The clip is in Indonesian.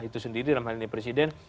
itu sendiri dalam hal ini presiden